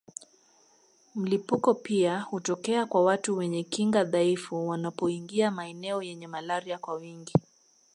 Milipuko pia hutokea kwa watu wenye kinga dhaifu wanapoingia maeneo yenye malaria kwa wingi